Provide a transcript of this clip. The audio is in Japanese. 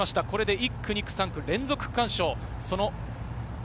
１区、２区、３区、連続区間賞。